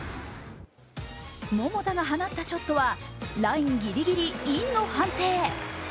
桃田が放ったショットはラインぎりぎりインの判定。